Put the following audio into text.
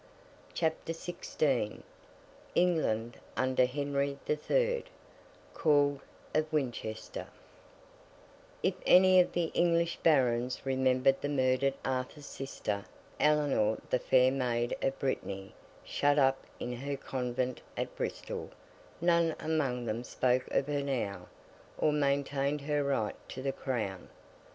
CHAPTER XV ENGLAND UNDER HENRY THE THIRD, CALLED, OF WINCHESTER If any of the English Barons remembered the murdered Arthur's sister, Eleanor the fair maid of Brittany, shut up in her convent at Bristol, none among them spoke of her now, or maintained her right to the Crown.